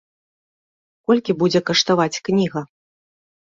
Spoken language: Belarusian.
Колькі будзе каштаваць кніга?